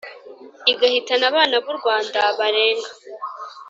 Igahitana abana b’u rwanda barenga